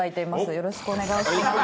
よろしくお願いします。